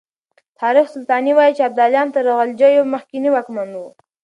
تاريخ سلطاني وايي چې ابداليان تر غلجيو مخکې واکمن وو.